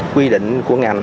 quy định của ngành